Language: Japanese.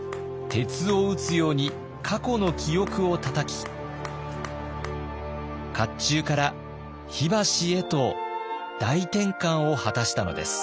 鉄を打つように過去の記憶をたたき甲冑から火箸へと大転換を果たしたのです。